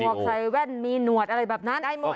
พอใส่แว่นมีหนวดอะไรแบบนั้น